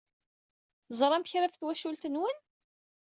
Teẓṛam kra ɣef twacult-nwen?